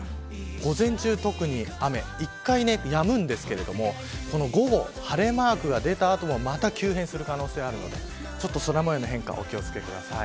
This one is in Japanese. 午前中特に雨、一度やむんですが午後、晴れマークが出た後もまた急変する可能性があるので空模様の変化お気を付けください。